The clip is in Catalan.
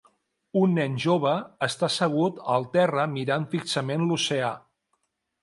Un nen jove està assegut al terra mirant fixament l'oceà